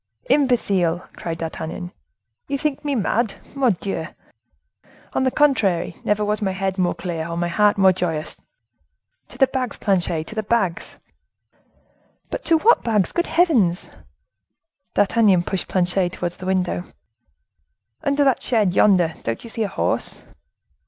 "Imbecile!" cried D'Artagnan, "you think me mad! Mordioux! On the contrary, never was my head more clear, or my heart more joyous. To the bags, Planchet, to the bags!" "But to what bags, good heavens!" D'Artagnan pushed Planchet towards the window. "Under that shed yonder, don't you see a horse?"